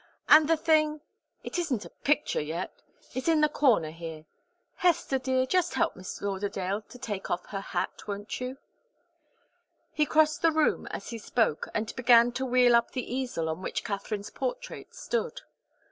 And the thing it isn't a picture yet is in the corner here. Hester, dear, just help Miss Lauderdale to take off her hat, won't you?" He crossed the room as he spoke, and began to wheel up the easel on which Katharine's portrait stood.